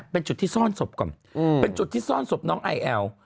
เป็นจุดที่ซ่อนศพก่อนเป็นจุดที่ซ่อนศพน้องไอแอล